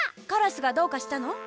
カラスがどうかしたの？